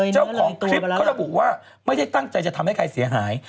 เจ้าของคลิปเขาระบุว่าไม่ได้ตั้งใจจะทำให้ใครเสียหาย